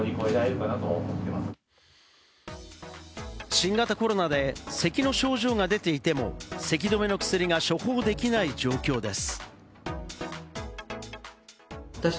新型コロナで咳の症状が出ていても、咳止めの薬が処方できない状況です。